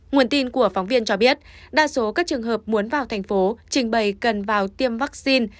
nguồn tin của phóng viên cho biết đa số các trường hợp muốn vào thành phố trình bày cần vào tiêm vaccine